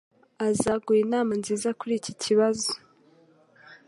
Azaguha inama nziza kuri iki kibazo.